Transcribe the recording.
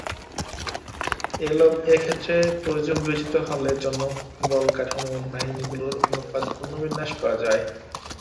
এ ক্ষেত্রে প্রয়োজন বিবেচিত হলে জনবলকাঠামোয় বাহিনীগুলোর অনুপাত পুনর্বিন্যাস করা যায়।